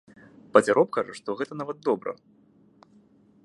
Пацяроб кажа, што гэта нават добра.